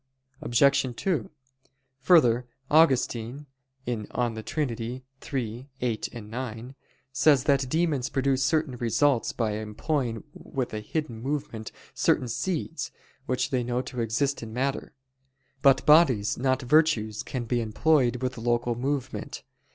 Obj. 2: Further, Augustine (De Trin. iii, 8, 9) says that demons produce certain results by employing with a hidden movement certain seeds, which they know to exist in matter. But bodies, not virtues, can be employed with local movement.